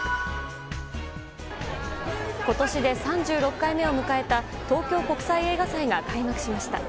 今年で３６回目を迎えた東京国際映画祭が開幕しました。